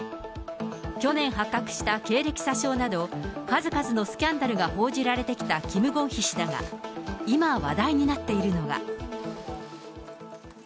去年発覚した経歴詐称など、数々のスキャンダルが報じられてきたキム・ゴンヒ氏だが、今話題になっているのが。